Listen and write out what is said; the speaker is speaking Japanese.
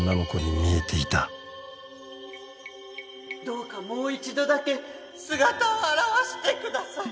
どうかもう一度だけ姿を現してください